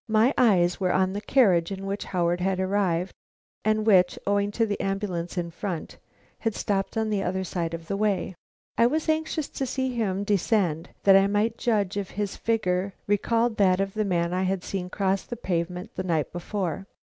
My eyes were on the carriage in which Howard had arrived, and which, owing to the ambulance in front, had stopped on the other side of the way. I was anxious to see him descend that I might judge if his figure recalled that of the man I had seen cross the pavement the night before.